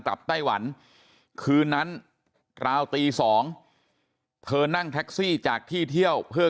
ไต้หวันคืนนั้นราวตี๒เธอนั่งแท็กซี่จากที่เที่ยวเพื่อ